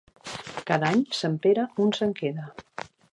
Cada any, Sant Pere un se'n queda.